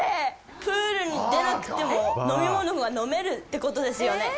プール出なくても飲み物が飲めるってことですよね。